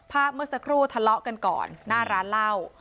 เมื่อสักครู่ทะเลาะกันก่อนหน้าร้านเหล้า